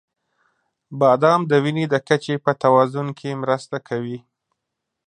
• بادام د وینې د کچې په توازن کې مرسته کوي.